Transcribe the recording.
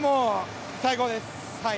最高です。